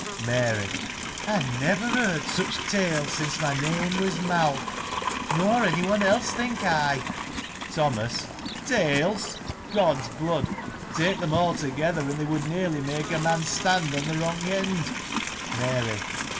Mary. — I never heard such tales, since my name was ]Mal. Nor any one else — think I. Thomas. — Tales ! God's blood ! take them all together, and they would nearly make a man stand on the wrong end. Mary.